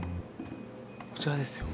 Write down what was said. こちらですよ。